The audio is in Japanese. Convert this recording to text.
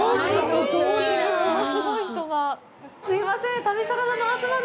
突然すいません。